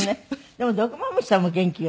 でも毒蝮さんも元気よね。